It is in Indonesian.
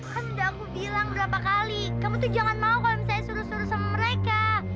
kan sudah aku bilang berapa kali kamu tuh jangan mau kalau misalnya suruh suruh sama mereka